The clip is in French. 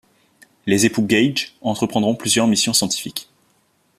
Les époux Gaige entreprendront plusieurs missions scientifiques.